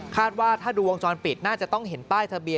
ว่าถ้าดูวงจรปิดน่าจะต้องเห็นป้ายทะเบีย